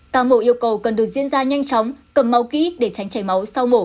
ca mổ yêu cầu cần được diễn ra nhanh chóng cầm máu kỹ để tránh chảy máu sau mổ